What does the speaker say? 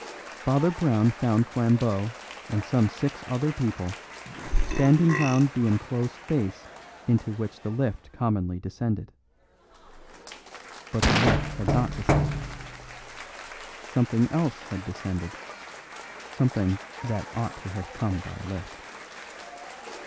Father Brown found Flambeau and some six other people standing round the enclosed space into which the lift commonly descended. But the lift had not descended. Something else had descended; something that ought to have come by a lift.